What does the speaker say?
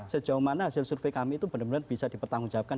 sejauh mana hasil survei kami itu benar benar bisa dipertanggungjawabkan